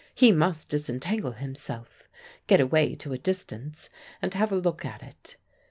He must disentangle himself, get away to a distance and have a look at it.